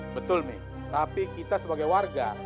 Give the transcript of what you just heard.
betul nih tapi kita sebagai warga